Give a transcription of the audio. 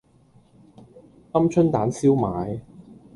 鵪鶉蛋燒賣